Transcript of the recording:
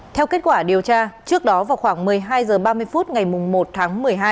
theo kết quả điều tra trước đó vào khoảng một mươi hai h ba mươi phút ngày một tháng một mươi hai